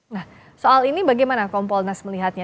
nah soal ini bagaimana kompolnas melihatnya